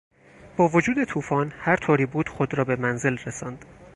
با وجود طوفان هرطوری بود خود را به منزل رساند.